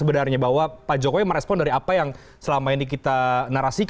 sebenarnya bahwa pak jokowi merespon dari apa yang selama ini kita narasi